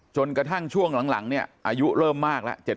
จนกระทั่งช่วงหลังเนี่ยอายุเริ่มมากแล้ว